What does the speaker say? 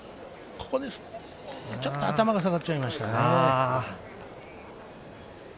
ちょっと頭が下がっちゃいましたね。